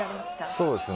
そうですね。